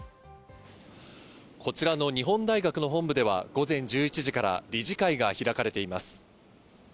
こちらの日本大学の本部では午前１１時から理事会が開かれています。